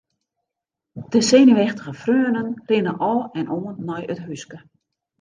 De senuweftige freonen rinne ôf en oan nei it húske.